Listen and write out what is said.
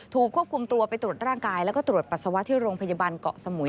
ถูกควบคุมตัวไปตรวจร่างกายแล้วก็ตรวจปัสสาวะที่โรงพยาบาลเกาะสมุย